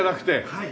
はい。